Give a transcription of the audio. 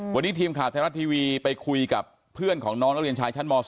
วันนี้ทีมข่าวไทยรัฐทีวีไปคุยกับเพื่อนของน้องนักเรียนชายชั้นม๒